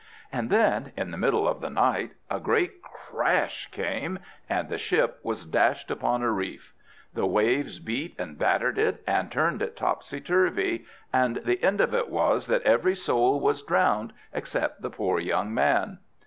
And then, in the middle of the night, a great crash came, and the ship was dashed upon a reef. The waves beat and battered it, and turned it topsy turvy, and the end of it was that every soul was drowned except the poor young man.